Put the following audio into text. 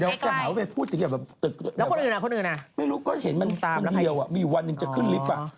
แล้วคนอื่นอะคนอื่นอะคุณตามแล้วไหมครับไม่รู้ก็เห็นมันคนเดียวมีวันหนึ่งจะขึ้นลิปอะ